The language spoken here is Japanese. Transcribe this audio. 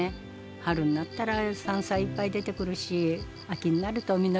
春になったら山菜いっぱい出てくるし秋になると実りの秋来るし。